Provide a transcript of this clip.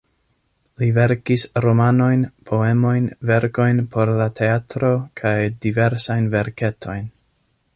Li verkis romanojn, poemojn, verkojn por la teatro kaj diversajn verketojn.